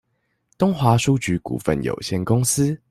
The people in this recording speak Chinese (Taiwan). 東華書局股份有限公司